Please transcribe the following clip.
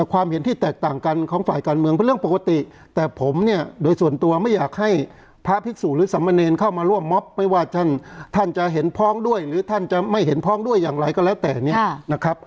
ความเห็นที่แตกต่างกันของฝ่ายการเมืองเป็นเรื่องปกติแต่ผมเนี่ยโดยส่วนตัวไม่อยากให้พระภิกษุหรือสมเนรเข้ามาร่วมมอบไม่ว่าท่านท่านจะเห็นพ้องด้วยหรือท่านจะไม่เห็นพ้องด้วยอย่างไรก็แล้วแต่เนี่ยนะครับ